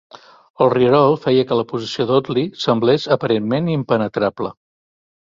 El rierol feia que la posició d'Audley semblés aparentment impenetrable.